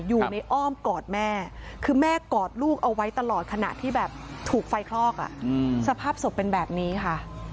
อ้อมกอดแม่คือแม่กอดลูกเอาไว้ตลอดขณะที่แบบถูกไฟคลอกสภาพศพเป็นแบบนี้ค่ะ